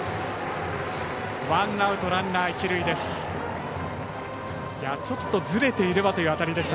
ワンアウト、ランナー、一塁です。